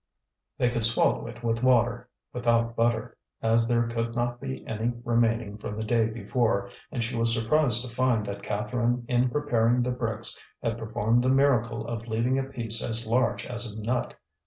They could swallow it with water, without butter, as there could not be any remaining from the day before, and she was surprised to find that Catherine in preparing the bricks had performed the miracle of leaving a piece as large as a nut.